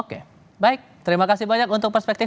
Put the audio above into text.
oke baik terima kasih banyak untuk pesan pesan ini